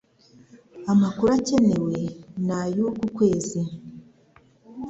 amakuru akenewe ni ayuku kwezi